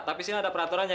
tapi sini ada peraturannya